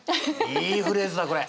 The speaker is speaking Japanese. いいフレーズだこれ！